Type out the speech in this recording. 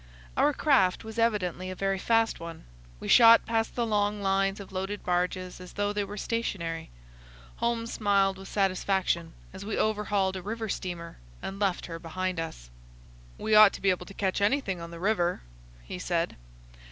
Our craft was evidently a very fast one. We shot past the long lines of loaded barges as though they were stationary. Holmes smiled with satisfaction as we overhauled a river steamer and left her behind us. "We ought to be able to catch anything on the river," he said.